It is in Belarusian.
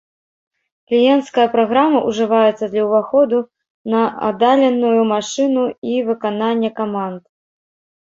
Кліенцкая праграма ўжываецца для ўваходу на аддаленую машыну і выканання каманд.